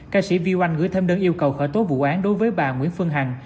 ca sĩ viu oanh gửi thêm đơn yêu cầu khởi tố vụ án đối với bà nguyễn phương hằng